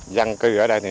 giang cư ở đây